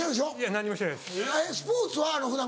何にもしてないです。